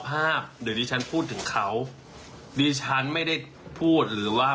ภาพหรือที่ฉันพูดถึงเขาที่ฉันไม่ได้พูดหรือว่า